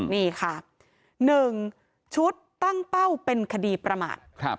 นี่ค่ะ๑ชุดตั้งเป้าเป็นคดีประมาท